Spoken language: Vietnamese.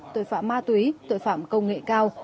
tội phạm ma túy tội phạm công nghệ cao